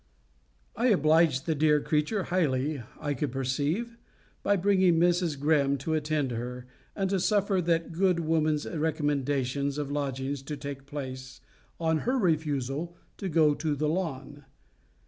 ] I obliged the dear creature highly, I could perceive, by bringing Mrs. Greme to attend her, and to suffer that good woman's recommendation of lodgings to take place, on her refusal to go to The Lawn.